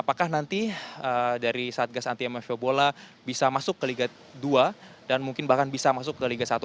apakah nanti dari satgas anti mfo bola bisa masuk ke liga dua dan mungkin bahkan bisa masuk ke liga satu